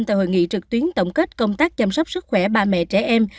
các thông tin tại hội nghị trực tuyến tổng kết công tác chăm sóc sức khỏe bà mẹ trẻ em